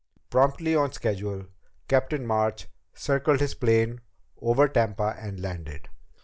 Promptly on schedule, Captain March circled his plane over Tampa and landed.